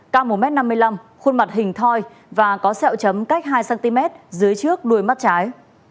cao một m năm mươi năm khuôn mặt hình thoi và có sẹo chấm cách hai cm dưới trước đuôi mắt trái